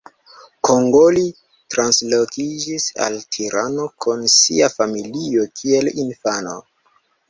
Kongoli translokiĝis al Tirano kun sia familio kiel infano.